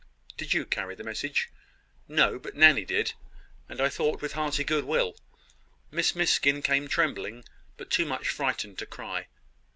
"Did you carry the message?" "No; but Nanny did; and, I thought, with hearty good will; Miss Miskin came trembling, but too much frightened to cry.